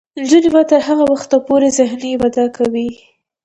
نجونې به تر هغه وخته پورې ذهني وده کوي.